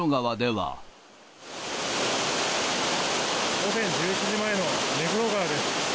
午前１１時前の目黒川です。